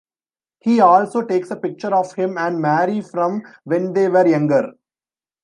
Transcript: He also takes a picture of him and Marie from when they were younger.